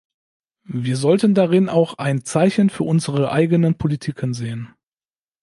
Wir sollten darin auch ein Zeichen für unsere eigenen Politiken sehen.